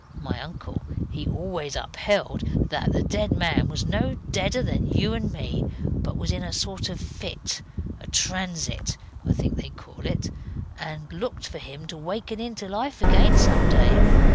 My uncle he always upheld that that dead man was no deader than you and me, but was in a sort of fit, a transit, I think they call it, and looked for him to waken into life again some day.